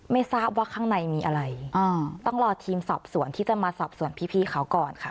ไม่ทราบว่าข้างในมีอะไรต้องรอทีมสอบสวนที่จะมาสอบส่วนพี่เขาก่อนค่ะ